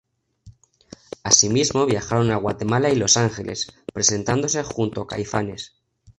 Asimismo, viajaron a Guatemala y Los Ángeles, presentándose junto a Caifanes.